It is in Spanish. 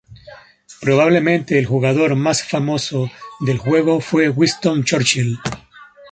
Probablemente el jugador más famoso del juego fue Winston Churchill.